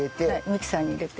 ミキサーに入れて。